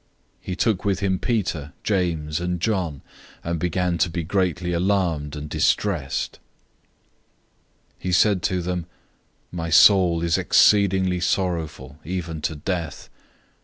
014:033 He took with him Peter, James, and John, and began to be greatly troubled and distressed. 014:034 He said to them, "My soul is exceedingly sorrowful, even to death.